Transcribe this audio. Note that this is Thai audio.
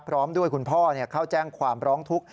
พร้อมด้วยคุณพ่อเข้าแจ้งความร้องทุกข์